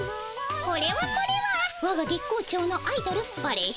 これはこれはわが月光町のアイドルバレエ